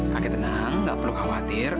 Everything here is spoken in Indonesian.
kakek tenang gak perlu khawatir